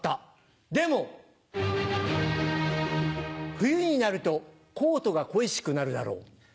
冬になるとコートが恋しくなるだろう。